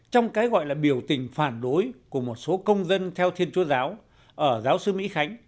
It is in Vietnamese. trong cái gọi là biểu tình phản đối của một số công dân theo thiên chúa giáo ở giáo sư mỹ khánh